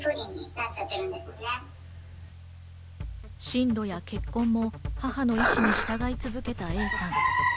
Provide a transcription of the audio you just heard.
進路や結婚も母の意思に従い続けたＡさん。